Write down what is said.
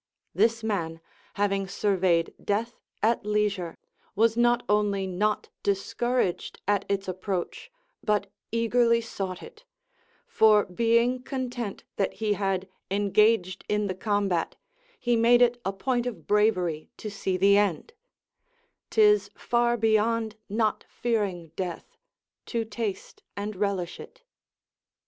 This man, having surveyed death at leisure, was not only not discouraged at its approach, but eagerly sought it; for being content that he had engaged in the combat, he made it a point of bravery to see the end; 'tis far beyond not fearing death to taste and relish it.